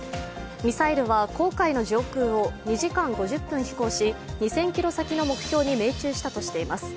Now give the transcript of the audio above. ミサイルは、黄海の上空を、２時間５０分飛行し２０００ｋｍ先の目標に命中したとしています。